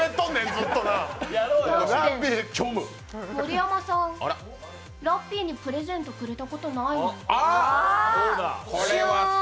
だって、盛山さんラッピーにプレゼントくれたことないんだもん。